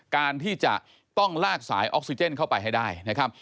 การที่จะต้องลากสายออกซิเจนเข้าไปให้ได้นะครับ